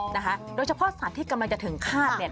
นะคะโดยเฉพาะสัตว์ที่กำลังจะถึงฆาตเนี่ย